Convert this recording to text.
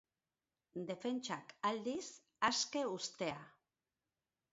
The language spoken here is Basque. Defentsak, aldiz, aske uztea.